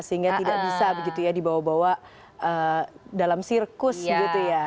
sehingga tidak bisa dibawa bawa dalam sirkus gitu ya